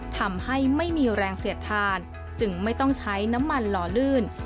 ทำให้ไม่มีแรงเสียดทานจึงไม่ต้องใช้น้ำมันหล่อลื่น